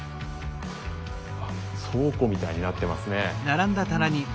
倉庫みたいになってますね。